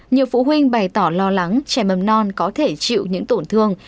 nhiều phụ huynh bày tỏ lo lắng trẻ mầm non có thể chịu những tổn thương